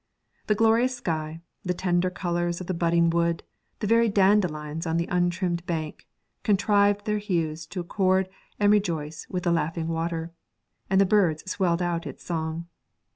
The glorious sky, the tender colours of the budding wood, the very dandelions on the untrimmed bank, contrived their hues to accord and rejoice with the laughing water, and the birds swelled out its song.